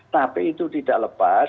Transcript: tapi itu tidak lepas